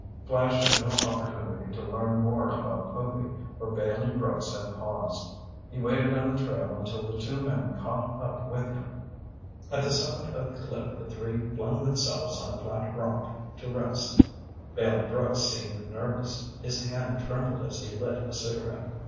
Flash had no opportunity to learn more about Povy, for Bailey Brooks had paused. He waited on the trail until the two men caught up with him. At the summit of the cliff the three flung themselves on a flat rock to rest. Bailey Brooks seemed nervous. His hand trembled as he lit a cigarette.